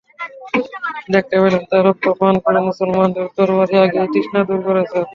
দেখতে পেলেন, তার রক্ত পান করে মুসলমানদের তরবারী আগেই তৃষ্ণা দূর করেছে।